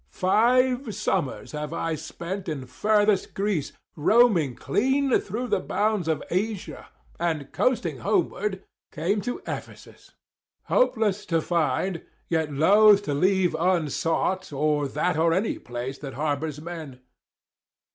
Five summers have I spent in furthest Greece, Roaming clean through the bounds of Asia, And, coasting homeward, came to Ephesus; 135 Hopeless to find, yet loath to leave unsought Or that, or any place that harbours men.